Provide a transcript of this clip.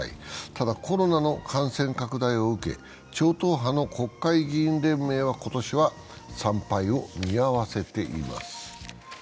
ただ、コロナの感染拡大を受け、超党派の国会議員連盟は今年は参拝を見合わせています。